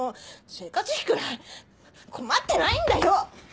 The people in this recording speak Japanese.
生活費くらい困ってないんだよ！